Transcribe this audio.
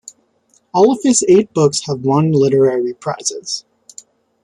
All of his eight books have won literary prizes.